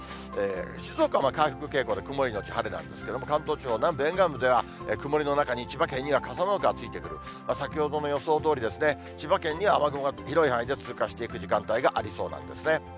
静岡は回復傾向で曇り後晴れなんですけれども、関東地方南部沿岸部では、曇りの中に、千葉県には傘マークがついてくる、先ほどの予想どおり、千葉県には、雨雲が広い範囲で通過していく時間帯がありそうなんですね。